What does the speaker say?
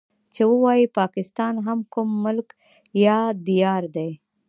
چې ووايي پاکستان هم کوم ملک يا ديار دی.